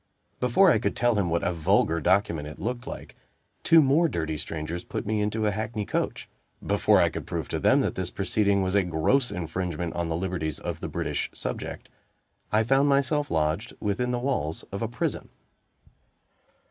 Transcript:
Before I could tell him what a vulgar document it looked like, two more dirty strangers put me into a hackney coach. Before I could prove to them that this proceeding was a gross infringement on the liberties of the British subject, I found myself lodged within the walls of a prison.